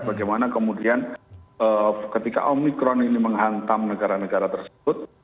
bagaimana kemudian ketika omikron ini menghantam negara negara tersebut